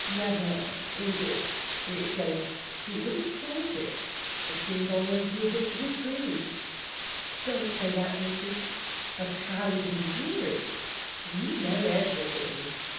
'Never, Edith!' he exclaimed. 'Who would have thought it! It seems almost too good to be true!' 'Don't say that, Vincy.' 'But how did you hear it? You know everything.'